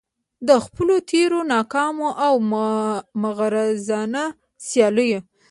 د خپلو تیرو ناکامو او مغرضانه يالیسیو